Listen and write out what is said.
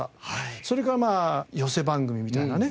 それからまあ寄席番組みたいなね。